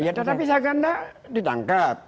ya tetapi seaganda ditangkap